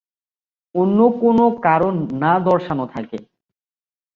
অন্য কোনো কারণ না দর্শানো থাকে